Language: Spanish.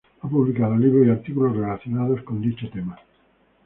Ha publicado libros y artículos relacionados a dichos temas.